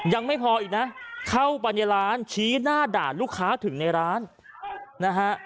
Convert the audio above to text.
ยังไม่พออีกนะเข้าไปในร้านชี้หน้าด่าลูกค้าถึงในร้านนะฮะ